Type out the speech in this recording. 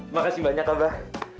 makasih banyak abah